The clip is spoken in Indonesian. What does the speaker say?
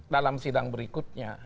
dalam sidang berikutnya